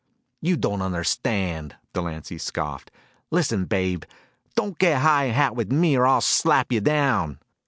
"You don't understand!" Delancy scoffed. "Listen, babe, don't get high hat with me or I'll slap you down."